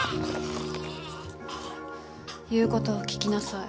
言うことを聞きなさい。